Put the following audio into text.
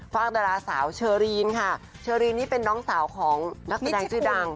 ฝากดาราสาวเชอรีนค่ะเชอรีนนี่เป็นน้องสาวของนักแสดงชื่อดัง